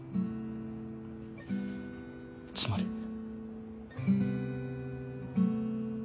つまり。